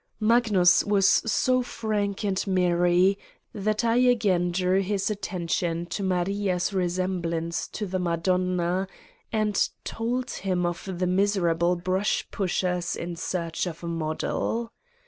Magnus was so frank and merry that I again drew his attention to Maria's resemblance to the Ma 91 Satan's Diary donna and told him of the miserable brush pushers in search of a model.